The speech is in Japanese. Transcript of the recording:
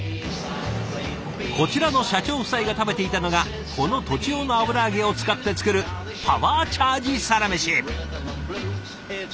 こちらの社長夫妻が食べていたのがこの栃尾の油揚げを使って作るパワーチャージサラメシ！